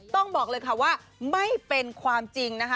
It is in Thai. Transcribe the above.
ต้องบอกเลยค่ะว่าไม่เป็นความจริงนะคะ